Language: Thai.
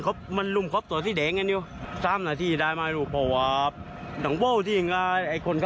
คนเด็กนอนอยู่ในน้ำเลยเสียงนั้น